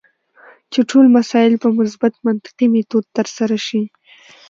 چې ټول مسایل په مثبت منطقي میتود ترسره شي.